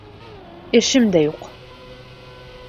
Эшем дә юҡ.